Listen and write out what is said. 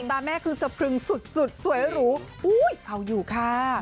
แม่คือสะพรึงสุดสวยหรูอุ้ยเอาอยู่ค่ะ